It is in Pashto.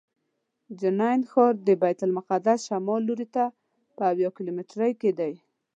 جنین ښار د بیت المقدس شمال لوري ته په اویا کیلومترۍ کې دی.